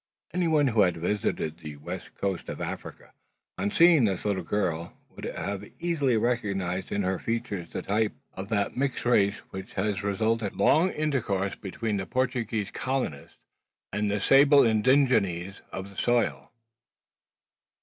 Any one who had visited the western coast of Africa, on seeing this little girl, would easily have recognised in her features the type of that mixed race which has resulted from long intercourse between the Portuguese "colonists" and the sable indigenes of the soil.